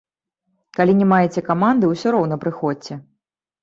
Калі не маеце каманды, усё роўна прыходзьце.